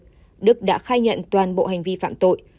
ngô minh đức đã khai nhận toàn bộ hành vi phạm tội